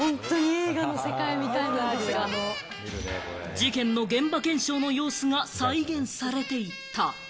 事件の現場検証の様子が再現されていた。